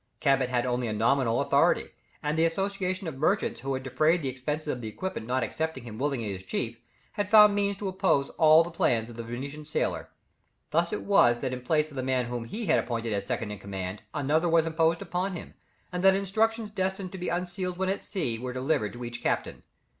Cabot had only a nominal authority, and the association of merchants who had defrayed the expenses of the equipment not accepting him willingly as chief, had found means to oppose all the plans of the Venetian sailor. Thus it was that in place of the man whom he had appointed as second in command, another was imposed upon him, and that instructions destined to be unsealed when at sea were delivered to each captain.